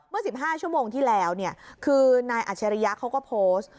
เมื่อ๑๕ชั่วโมงที่แล้วคือนายอัชริยะเขาก็โพสต์